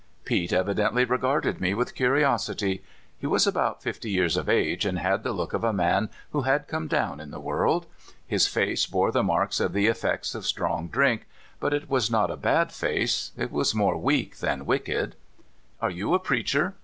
Pete evidently regarded me with curiosity. He was about fifty years of age, and had the look of a man who had come down in the world. His face bore the marks of the effects of strong drink, but it w^as not a bad face ; it was more weak than wicked. *'Are you a preacher?